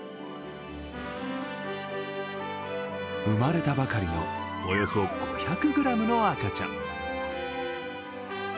生まれたばかりの、およそ５００ｇの赤ちゃん。